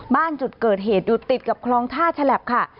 บ้านจุดเกิดเหตุอยู่ติดกับคลองท่าฉลับค่ะ